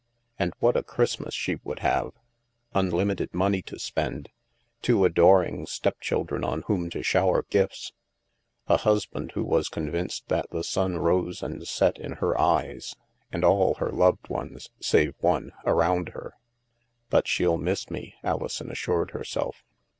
And what a Christmas she would have ! Unlimited money to spend, two adoring step children on whom to shower gifts, a husband who was convinced that the sun rose and set in her eyes, and all her loved ones, save one, around her. " But she'll miss me," Alison assured herself.